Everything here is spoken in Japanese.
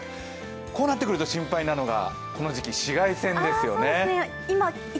こうなってくると心配なのがこの時期、紫外線ですよね。